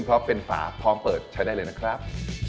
เพราะเป็นฝาพร้อมเปิดใช้ได้เลยนะครับ